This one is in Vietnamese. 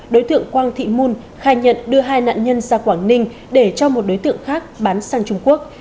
đối tượng quang thị mon khai nhận đưa hai nạn nhân ra quảng ninh để cho một đối tượng khác bán sang trung quốc